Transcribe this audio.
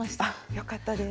よかったです。